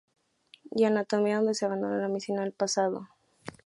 Y anatomía donde se abandonó la medicina del pasado.